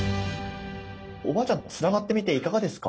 おばあちゃんつながってみていかがですか？